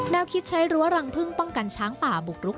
คิดใช้รั้วรังพึ่งป้องกันช้างป่าบุกรุก